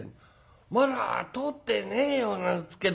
まだ通ってねえようなんすけど」。